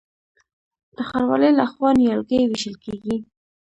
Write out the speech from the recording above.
د ښاروالۍ لخوا نیالګي ویشل کیږي.